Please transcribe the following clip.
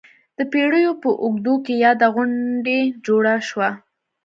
د پېړیو په اوږدو کې یاده غونډۍ جوړه شوه.